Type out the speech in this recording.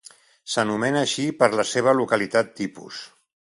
S’anomena així per la seva localitat tipus.